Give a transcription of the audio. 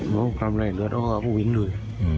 มันต้องกำลังไว้เล็กกว่าบู๊ด